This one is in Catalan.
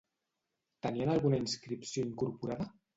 Tenien alguna inscripció incorporada?